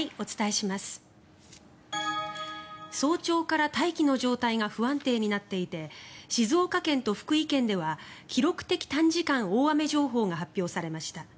早朝から大気の状態が不安定になっていて静岡県と福井県では記録的短時間大雨情報が発表されました。